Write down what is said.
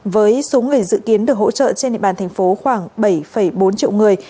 với số người dự kiến được hỗ trợ trên địa bàn tp khoảng bảy bốn triệu người